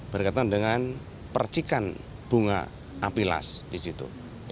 berkaitan dengan percikan bunga ampilas di situ